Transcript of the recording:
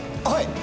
はい。